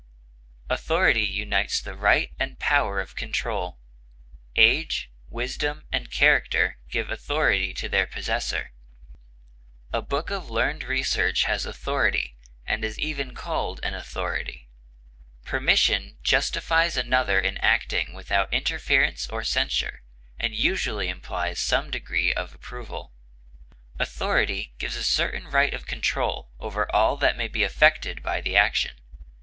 Authority unites the right and power of control; age, wisdom, and character give authority to their possessor; a book of learned research has authority, and is even called an authority. Permission justifies another in acting without interference or censure, and usually implies some degree of approval. Authority gives a certain right of control over all that may be affected by the action.